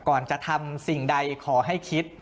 ก่อนจะทำสิ่งใดขอให้คิด